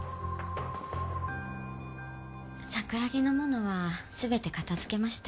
桜木の物は全て片づけました。